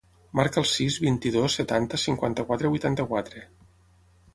Marca el sis, vint-i-dos, setanta, cinquanta-quatre, vuitanta-quatre.